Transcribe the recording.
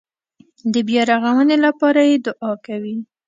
د بیارغونې لپاره یې دعا کوي.